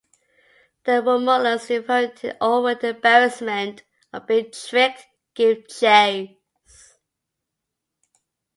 The Romulans, infuriated over the embarrassment of being tricked, give chase.